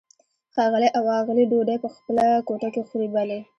ښاغلی او آغلې ډوډۍ په خپله کوټه کې خوري؟ بلې.